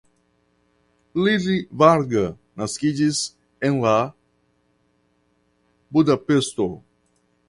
Lili Varga naskiĝis la en Budapeŝto.